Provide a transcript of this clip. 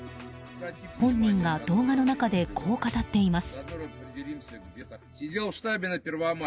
本人が動画の中でこう語っています。